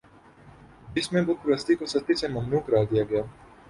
جس میں بت پرستی کو سختی سے ممنوع قرار دیا گیا